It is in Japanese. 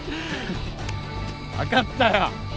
分かったよ。